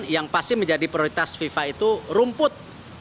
yang pasti menjadi prioritas fifa itu rumput